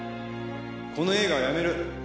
この映画やめる。